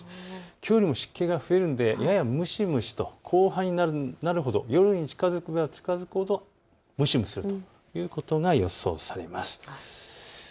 きょうよりも湿気が増えるのでやや蒸し蒸しと、後半になるほど夜に近づけば近づくほど蒸し蒸しするということが予想されます。